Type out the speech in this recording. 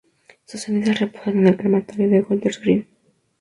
Sus cenizas reposan en el Crematorio de Golders Green.